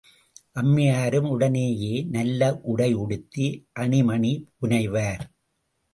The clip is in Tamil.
அம்மையாரும் உடனேயே நல்ல உடை உடுத்தி, அணிமணி புனைவார்.